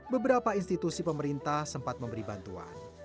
beberapa institusi pemerintah sempat memberi bantuan